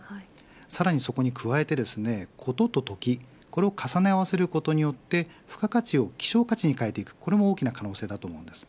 さらにそこに加えてコトとトキこれを重ね合わせることによって付加価値を希少価値に変えていくこれも大きな可能性です。